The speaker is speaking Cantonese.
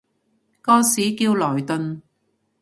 個市叫萊頓